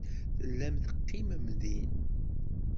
Tellam teqqimem din.